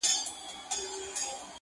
ما چي هلمند ته ترانې لیکلې!.